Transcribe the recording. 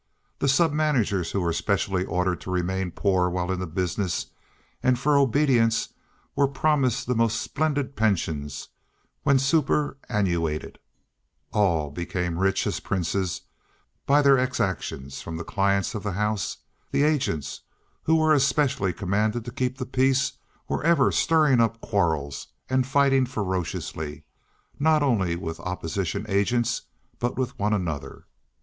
The sub managers, who were specially ordered to remain poor while in the business, and for obedience were promised the most splendid pensions when superannuated, all became rich as princes by their exactions from the clients of the house; the agents, who were especially commanded to keep the peace, were ever stirring up quarrels and fighting ferociously, not only with opposition agents but with one another.